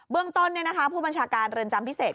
เรื่องต้นผู้บัญชาการเรือนจำพิเศษ